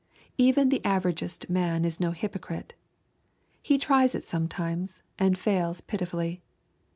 Even the averagest man is no hypocrite. He tries it sometimes, and fails pitifully.